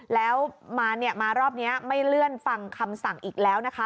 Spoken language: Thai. แล้วมารอบนี้ไม่เลื่อนฟังคำสั่งอีกแล้วนะคะ